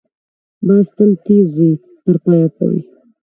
باز تل تېز وي، تر پایه پورې